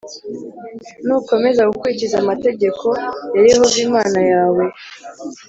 nukomeza gukurikiza amategeko+ ya yehova imana yawe